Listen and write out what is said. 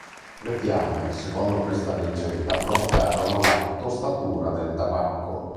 Le fiamme, secondo questa leggenda, provocarono la tostatura del tabacco.